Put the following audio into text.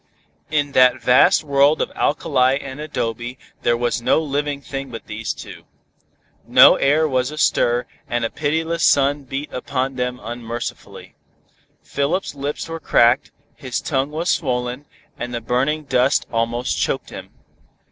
In that vast world of alkali and adobe there was no living thing but these two. No air was astir, and a pitiless sun beat upon them unmercifully. Philip's lips were cracked, his tongue was swollen, and the burning dust almost choked him.